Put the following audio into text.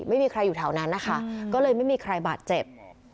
ไม่มีใครอยู่แถวนั้นนะคะก็เลยไม่มีใครบาดเจ็บ